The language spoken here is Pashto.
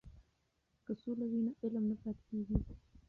که سوله وي نو علم نه پاتې کیږي.